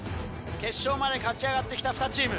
決勝まで勝ち上がってきた２チーム。